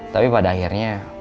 tapi pada akhirnya